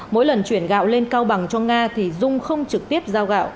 mỗi lần chuyển gạo lên cao bằng cho nga thì dung không trực tiếp giao gạo